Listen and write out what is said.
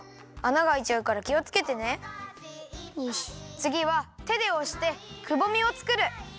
つぎはてでおしてくぼみをつくる！